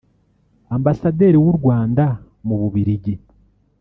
Ambasaderi w’u Rwanda mu Bubiligi